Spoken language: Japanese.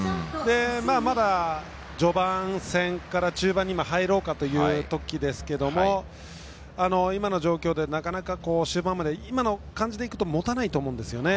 まだまだ序盤戦から中盤に入ろうかというときですけれど今の状況で今の感じでいくと終盤までもたないと思うんですよね。